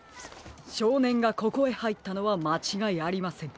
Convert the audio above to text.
しょうねんがここへはいったのはまちがいありません。